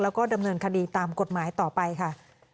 แล้วก็ดำเนินคดีตามกฎหมายต่อไปค่ะ